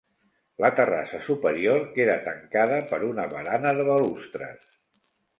La terrassa superior queda tancada per una barana de balustres.